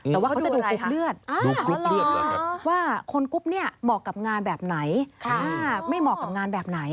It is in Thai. แต่ว่าเขาจะดูกรุ๊ปเลือดว่าคนกรุ๊ปเนี่ยเหมาะกับงานแบบไหนไม่เหมาะกับงานแบบไหน